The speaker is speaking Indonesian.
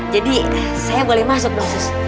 jadi saya boleh masuk dong sus